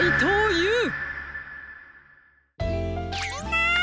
みんな！